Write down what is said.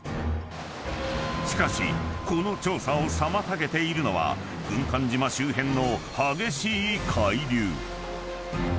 ［しかしこの調査を妨げているのは軍艦島周辺の］